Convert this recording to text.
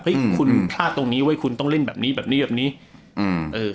หึงคุณพลาดตรงนี้ว่ะคุณต้องเล่นแบบนี้แบบนี้แบบนี้อืม